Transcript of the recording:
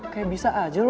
kayak bisa aja lu